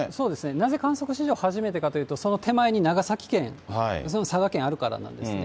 なぜ観測史上初めてかというと、その手前に長崎県、佐賀県あるからなんですね。